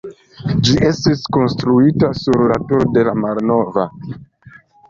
Ĝi estis konstruita sur la turo de la malnova.